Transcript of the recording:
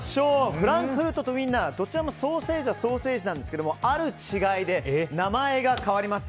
フランクフルトとウインナーどちらもソーセージなんですがある違いで名前が変わります。